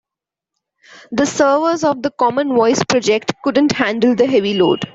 The servers of the common voice project couldn't handle the heavy load.